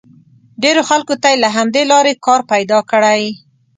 ډېرو خلکو ته یې له همدې لارې کار پیدا کړی.